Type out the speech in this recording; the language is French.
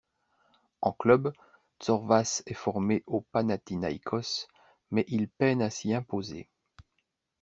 En club, Tzórvas est formé au Panathinaïkos mais il peine à s'y imposer.